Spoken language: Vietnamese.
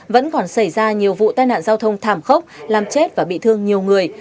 vẫn còn xảy ra nhiều vụ tai nạn giao thông thảm khốc làm chết và bị thương nhiều người